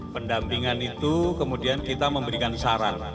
pendampingan itu kemudian kita memberikan saran